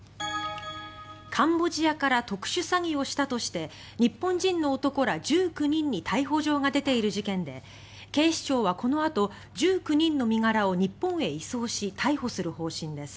カンボジアから特殊詐欺をしたとして日本人の男ら１９人に逮捕状が出ている事件で警視庁はこのあと１９人の身柄を日本へ移送し逮捕する方針です。